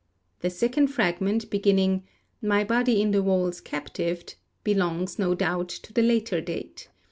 The second fragment, beginning 'My body in the walls captived,' belongs, no doubt, to the later date.